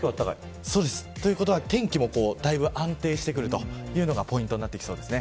ということは天気もだいぶ安定してくるのがポイントになってきそうです。